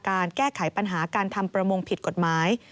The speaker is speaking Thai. การแก้ไขปัญหาการทำประมงผิดกฎหมาย